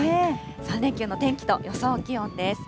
３連休の天気と予想気温です。